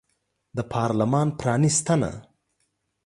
د پارلمان پرانیستنه